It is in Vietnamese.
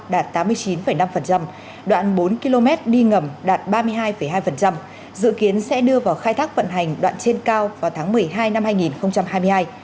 đạt tám mươi chín năm đoạn bốn km đi ngầm đạt ba mươi hai hai dự kiến sẽ đưa vào khai thác vận hành đoạn trên cao vào tháng một mươi hai năm hai nghìn hai mươi hai